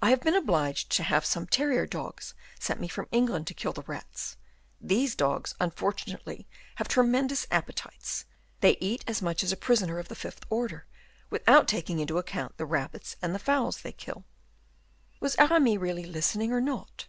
I have been obliged to have some terrier dogs sent me from England to kill the rats. These dogs, unfortunately, have tremendous appetites; they eat as much as a prisoner of the fifth order, without taking into account the rabbits and fowls they kill." Was Aramis really listening or not?